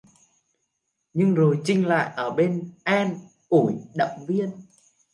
Nhưng rồi Chinh lại ở bên An ủi động viên